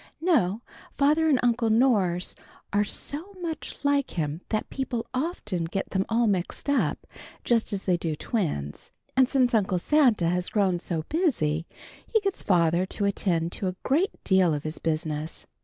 "No, but father and Uncle Norse are so much like him that people often get them all mixed up, just as they do twins, and since Uncle Santa has grown so busy, he gets father to attend to a great deal of his business.